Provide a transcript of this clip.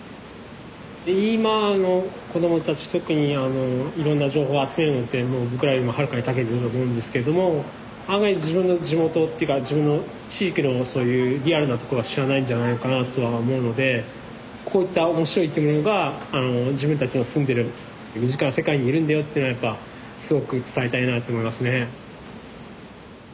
今の子どもたち特にいろんな情報を集めるのって僕らよりもはるかにたけてると思うんですけれども案外自分の地元というか自分の地域のそういうリアルなところは知らないんじゃないかなとは思うのでこういった面白い生き物が自分たちの住んでる身近な世界にいるんだよというのはやっぱすごく伝えたいなと思いますね。